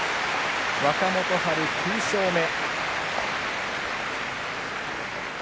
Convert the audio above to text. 若元春９勝目。